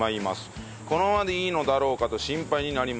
このままでいいのだろうかと心配になります。